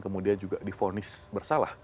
kemudian juga difonis bersalah